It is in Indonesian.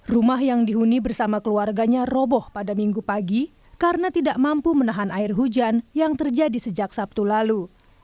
rumah yang dihuni bersama keluarganya roboh pada minggu pagi karena tidak mampu menahan air hujan yang terjadi sejak sabtu lalu